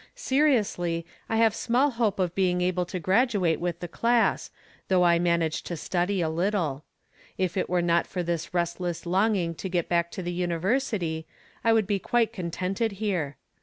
Seriously, I have small hope of being able to graduate with the class, though I manage to study a little. If it were not for this restless longing to get back to the University I could be quite contented here.